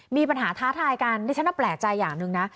มีปัญหาท้าทายกันดิฉันน่าแปลกใจอย่างหนึ่งนะ